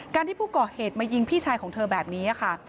ที่ผู้ก่อเหตุมายิงพี่ชายของเธอแบบนี้ค่ะ